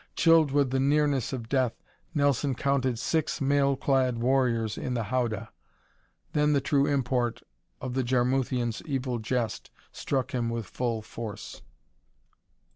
Chilled with the nearness of death, Nelson counted six mail clad warriors in the howdah. Then the true import of the Jarmuthians evil jest struck him with full force.